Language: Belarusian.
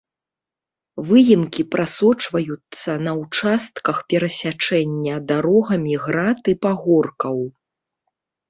Выемкі прасочваюцца на участках перасячэння дарогамі град і пагоркаў.